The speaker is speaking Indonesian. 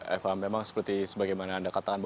eva memang seperti sebagaimana anda katakan